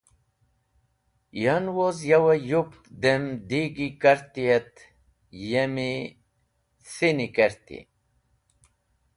Yan, woz yowe yupk dem digi karti et yemi thini kerti.